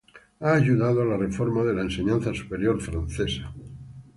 Ha ayudado a la reforma de la enseñanza superior francesa.